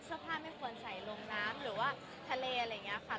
เสื้อผ้าไม่ควรใส่ลงน้ำหรือว่าทะเลอะไรอย่างนี้ค่ะ